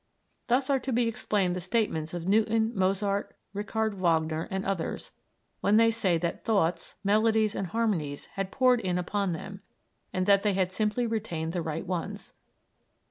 Thus are to be explained the statements of Newton, Mozart, Richard Wagner, and others, when they say that thoughts, melodies, and harmonies had poured in upon them, and that they had simply retained the right ones.